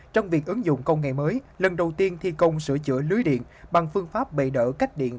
trong việc ứng dụng công nghệ mới lần đầu tiên thi công sửa chữa lưới điện bằng phương pháp bệ đỡ cách điện